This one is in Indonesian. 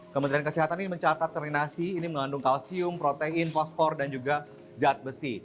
kementerian kesehatan ini mencatat terinasi ini mengandung kalsium protein fosfor dan juga zat besi